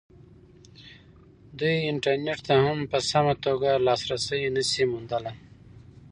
دوی انټرنېټ ته هم په سمه توګه لاسرسی نه شي موندلی.